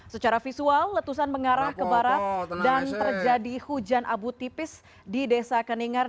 secara visual letusan mengarah ke barat dan terjadi hujan abu tipis di desa keningar